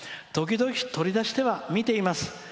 時々、取り出しては見ています。